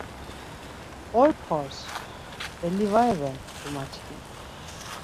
Oypxors, belli var iven, cumaçkimi